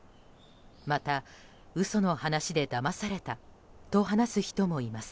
また嘘の話でだまされたと話す人もいます。